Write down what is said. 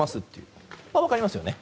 これは分かりますよね。